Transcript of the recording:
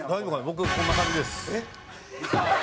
僕こんな感じです。